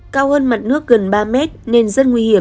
cao hơn mặt nước gần ba mét nên rất nguy hiểm